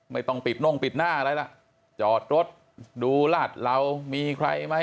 ไม่ต้องปิดน่งปิดหน้าอะไรล่ะจอดรถดูลาดเหลามีใครไหม